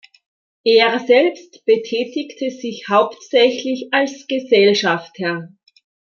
Er selbst betätigte sich hauptsächlich als Gesellschafter.